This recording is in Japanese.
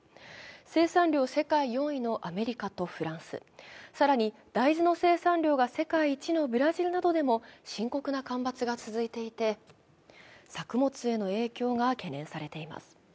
生産量世界４位のアメリカとフランス、更に大豆の生産量が世界一のブラジルなどでも深刻な干ばつが続いていて作物への影響が懸念されています。